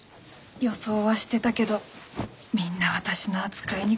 予想はしてたけどみんな私の扱いに困ってる